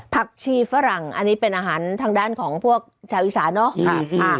ผักชีฝรั่งอันนี้เป็นอาหารทางด้านของพวกชาวอีสานเนอะ